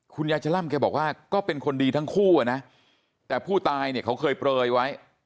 คุณยายชะล่ำแกบอกว่าก็เป็นคนดีทั้งคู่อ่ะนะแต่ผู้ตายเนี่ยเขาเคยเปลยไว้